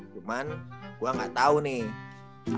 cuman gue gak tau nih